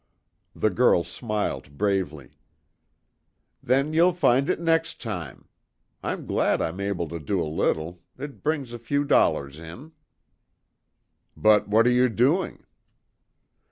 The girl smiled bravely. "Then you'll find it next time. I'm glad I'm able to do a little; it brings a few dollars in." "But what are you doing?"